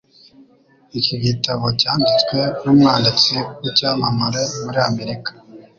Iki gitabo cyanditswe n'umwanditsi w'icyamamare muri Amerika.